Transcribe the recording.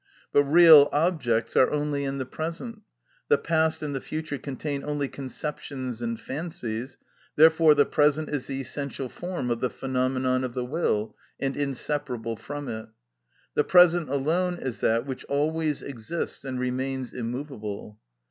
But real objects are only in the present; the past and the future contain only conceptions and fancies, therefore the present is the essential form of the phenomenon of the will, and inseparable from it. The present alone is that which always exists and remains immovable.